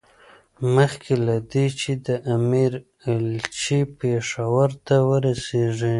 مخکې له دې چې د امیر ایلچي پېښور ته ورسېږي.